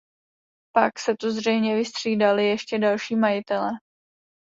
Pak se tu zřejmě vystřídali ještě další majitelé.